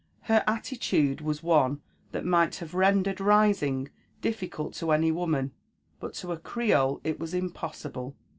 Her attitude was one that might have rendered rising difficult to ^ny woman, but to a Creole it was impossible.